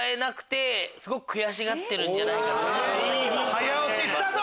早押しスタート！